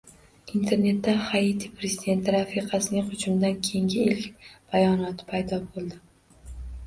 Internetda Haiti prezidenti rafiqasining hujumdan keyingi ilk bayonoti paydo bo‘ldi